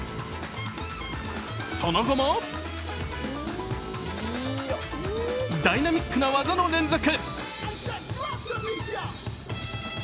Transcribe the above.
その後もダイナミックな技の連続。